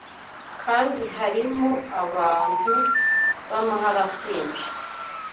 kandi barimo abantu b’amaharakwinshi